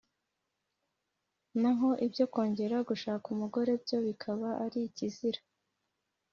naho ibyo kongera gushaka umugore byo bikaba ari ikizira